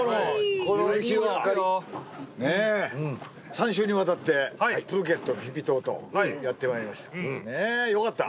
この夕日はねえ３週にわたってプーケットピピ島とやってまいりましたよかった？